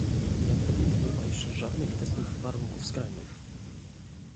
Jak dotąd nie ma jeszcze żadnych testów warunków skrajnych